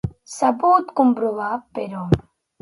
S'ha pogut comprovar, però?